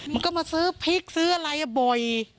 มันก็มาซื้อพริกซื้ออะไรบ่อย